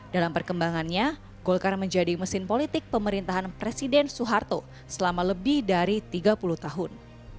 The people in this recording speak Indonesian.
dalam perkembangannya golkar menjadi mesin politik pemerintahan presiden soeharto selama lebih dari tiga puluh tahun